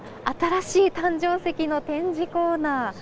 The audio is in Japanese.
新しい誕生石の展示コーナー。